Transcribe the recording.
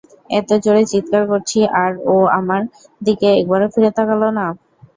এত জোরে চিৎকার করছি আর ও আমার দিকে একবারও ফিরে তাকাল না।